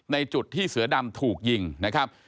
ในจุดที่เสือดำถูกยิงนะครับ